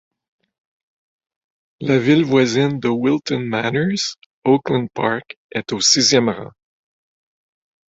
La ville voisine de Wilton Manors, Oakland Park, est au sixième rang.